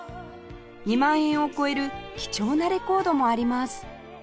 ２万円を超える貴重なレコードもあります